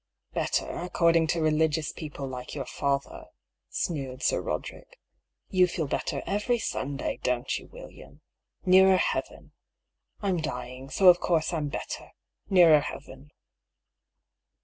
"Better, according to religious people, like your father," sneered Sir Roderick. " You feel better every Sunday, don't you, William? Nearer heaven? I'm dying, so of course I'm better, nearer heaven."